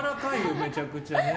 めちゃくちゃね。